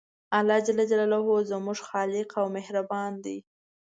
الله ج زموږ خالق او مهربان دی